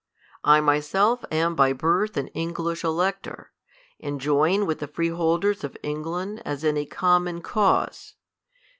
I my self am by birth an English elector, and join with the freeholders of England as in a common cause.